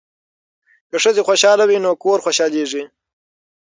که ښځې خوشحاله وي نو کور خوشحالیږي.